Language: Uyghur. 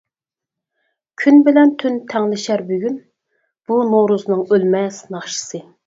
كۈن بىلەن تۈن تەڭلىشەر بۈگۈن، بۇ نورۇزنىڭ ئۆلمەس ناخشىسى.